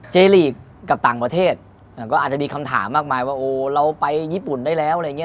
ลีกกับต่างประเทศก็อาจจะมีคำถามมากมายว่าโอ้เราไปญี่ปุ่นได้แล้วอะไรอย่างนี้